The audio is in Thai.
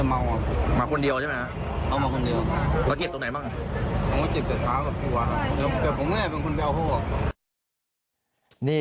มาเก็บตรงไหนบ้างมาเก็บตรงไหนบ้าง